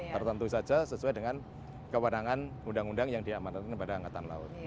tertentu saja sesuai dengan kewenangan undang undang yang diamanatkan kepada angkatan laut